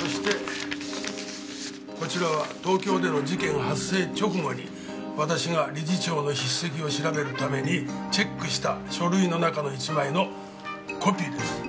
そしてこちらは東京での事件発生直後に私が理事長の筆跡を調べるためにチェックした書類の中の１枚のコピーです。